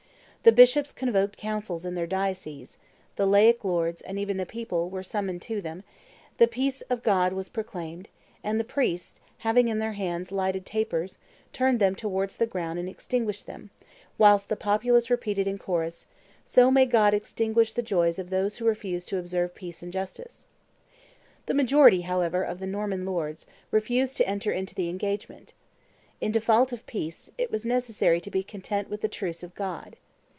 The bishops convoked councils in their dioceses; the laic lords, and even the people, were summoned to them; the peace of God was proclaimed; and the priests, having in their hands lighted tapers, turned them towards the ground and extinguished them, whilst the populace repeated in chorus, "So may God extinguish the joys of those who refuse to observe peace and justice." The majority, however, of the Norman lords, refused to enter into the engagement. In default of peace, it was necessary to be content with the truce of God.